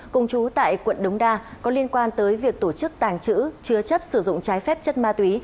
cùng chú tại quận đống đa có liên quan tới việc tổ chức tàng trữ chứa chấp sử dụng trái phép chất ma túy